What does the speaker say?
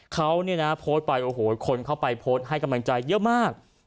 เขาโพสต์ไปคนเข้าไปโพสต์ให้กำลังใจเยอะมาก